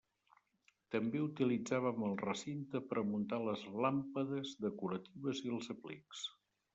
També utilitzàvem el recinte per a muntar les làmpades decoratives i els aplics.